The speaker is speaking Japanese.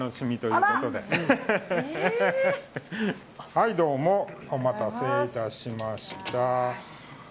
はい、お待たせいたしました。